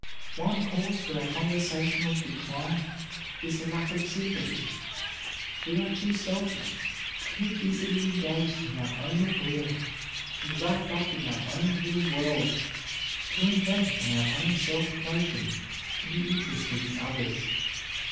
One cause for our conversational decline is a lack of sympathy. We are too selfish, too busily engaged in our own welfare, and wrapped up in our own little world, too intent upon our own self promotion to be interested in others.